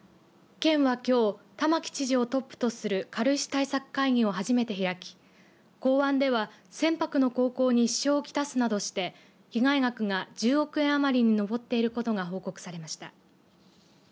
県はきょう玉城知事をトップとする軽石対策会議を初めて開き港湾では船舶の航行に支障をきたすなどして被害額が１０億円余りに上っていることが報告されました。